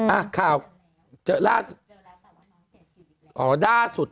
อ่าฮะข่าวเจอล่าสุด